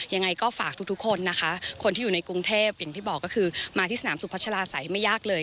ยังไงก็ฝากทุกคนนะคะคนที่อยู่ในกรุงเทพอย่างที่บอกก็คือมาที่สนามสุพัชลาศัยไม่ยากเลย